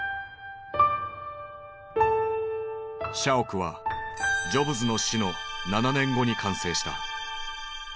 社屋はジョブズの死の７年後に完成した。